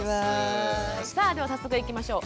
さあでは早速いきましょう。